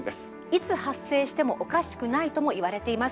いつ発生してもおかしくないともいわれています。